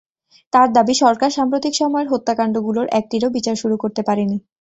তাঁর দাবি, সরকার সাম্প্রতিক সময়ের হত্যাকাণ্ডগুলোর একটিরও বিচার শুরু করতে পারেনি।